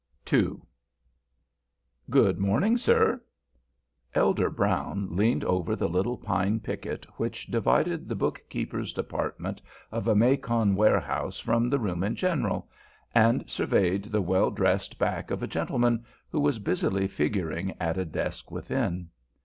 II "Good mornin', sir." Elder Brown leaned over the little pine picket which divided the bookkeepers' department of a Macon warehouse from the room in general, and surveyed the well dressed back of a gentleman who was busily figuring at a desk within.